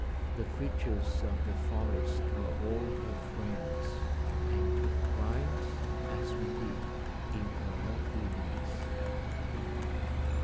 The creatures of the forest were all her friends, and took pride, as we did, in her loveliness.